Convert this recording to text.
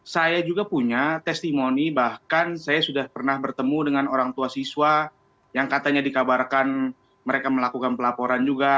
saya juga punya testimoni bahkan saya sudah pernah bertemu dengan orang tua siswa yang katanya dikabarkan mereka melakukan pelaporan juga